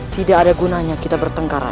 tidak ada gunanya kita bertengkar rai